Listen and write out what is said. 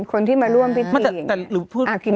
คนที่มาร่วมวิธีอย่างนี้